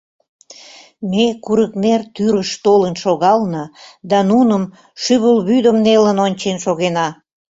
Ме курыкнер тӱрыш толын шогална да нуным шӱвылвӱдым нелын ончен шогена.